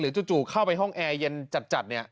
จู่เข้าไปห้องแอร์เย็นจัดเนี่ย